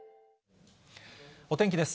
お天気です。